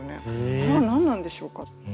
あれは何なんでしょうか。